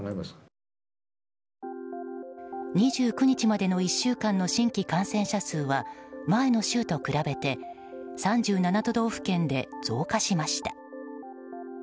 ２９日までの１週間の新規感染者数は前の週と比べて３７都道府県で増加しました。